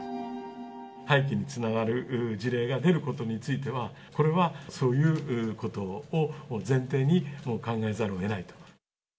廃棄につながる事例が出ることについては、これはそういうことを前提に考えざるをえないと。